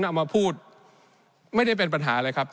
เอามาพูดไม่ได้เป็นปัญหาเลยครับ